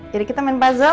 jadi kita main puzzle